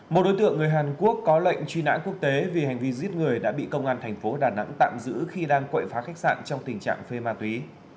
một đối tượng người hàn quốc có lệnh truy nã quốc tế vì hành vi giết người đã bị công an thành phố đà nẵng tạm giữ khi đang quậy phá khách sạn trong tình trạng phê ma túy